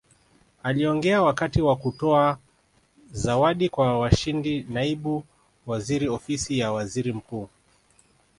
Akiongea wakati wa kutoa zawadi kwa washindi Naibu Waziri Ofisi ya Waziri Mkuu